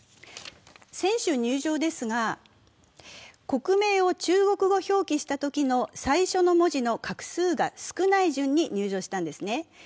選手入場ですが、国名を中国語表記したときの最初の文字の画数が少ない順に入場したんですね。